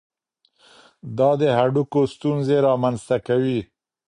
دا د هډوکو ستونزې رامنځته کوي.